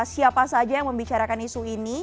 siapa saja yang membicarakan isu ini